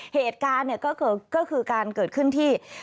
เหตุการณ์เนี่ยก็คือการเกิดขึ้นที่